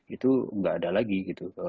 itu nggak ada lagi gitu